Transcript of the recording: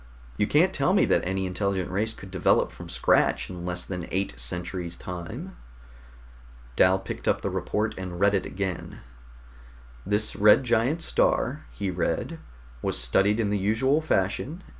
You can't tell me that any intelligent race could develop from scratch in less than eight centuries' time." Dal picked up the report and read it again. "This red giant star," he read, "was studied in the usual fashion.